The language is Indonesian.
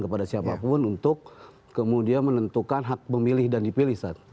kepada siapapun untuk kemudian menentukan hak pemilih dan dipilih saat